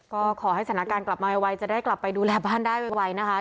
ก็ขอให้สถานการณ์กลับมาไวจะได้กลับไปดูแลบ้านได้ไวนะคะ